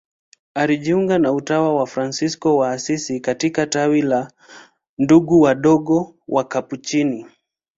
Alijiunga na utawa wa Fransisko wa Asizi katika tawi la Ndugu Wadogo Wakapuchini.